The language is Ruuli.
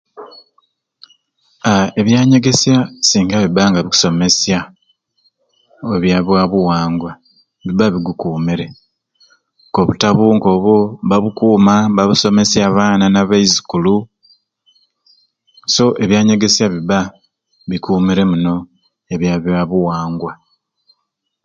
Aaa ebyanyegesya singa bibba nga bikusomesya ebya ba buwangwa bibba bigukumiire nk'obutabu nk'obwo mba bukuma mba busomesya abaana na baizukulu, so ebyanyegesya bibba bikumiire muno ebya bya buwangwa.